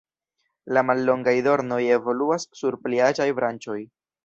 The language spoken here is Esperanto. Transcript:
La mallongaj dornoj evoluas sur pli aĝaj branĉoj.